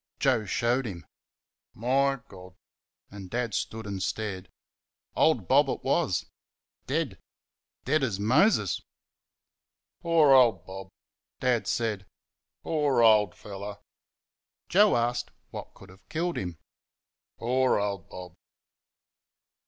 Joe showed him. "My God!" and Dad stood and stared. Old Bob it was dead. Dead as Moses. "Poor old Bob!" Dad said. "Poor old fellow!" Joe asked what could have killed him? "Poor old Bob!"